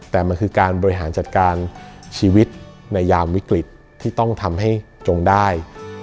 แต่มันคือการบริหารจัดการชีวิตในยามวิกฤตที่ต้องทำให้จงได้